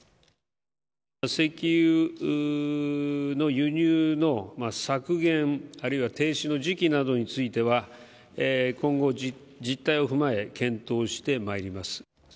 石油の輸入の削減、あるいは停止の時期については今後実態を踏まえ、検討してまいります。